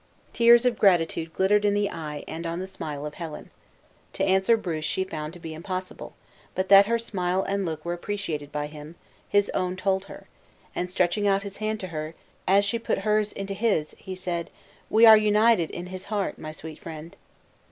Tears of gratitude glittered in the eye, and on the smile of Helen. To answer Bruce she found to be impossible, but that her smile and look were appreciated by him, his own told her; and stretching out his hand to her, as she put hers into his, he said: "We are united in his heart, my sweet friend!"